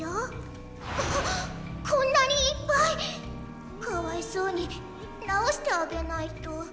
こんなにいっぱい⁉かわいそうになおしてあげないと。